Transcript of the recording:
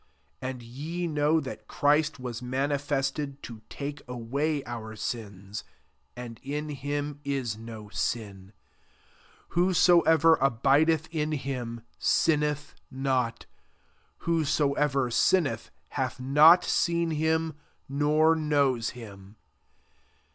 5 And ye know that Christ was manifested to take away fotfrl sins : and in him is do sm. 6 Whosoever abideth in him, sin neth not: whosoever sinneth, hath not seen him, nor knows him'.